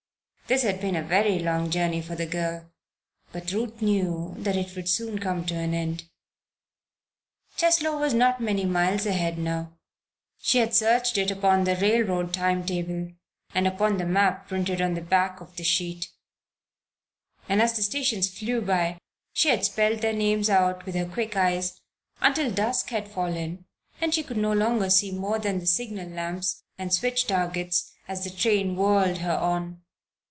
This had been a very long journey for the girl, but Ruth knew that it would soon come to an end. Cheslow was not many miles ahead now; she had searched it out upon the railroad timetable, and upon the map printed on the back of the sheet; and as the stations flew by, she had spelled their names out with her quick eyes, until dusk had fallen and she could no longer see more than the signal lamps and switch targets as the train whirled her on.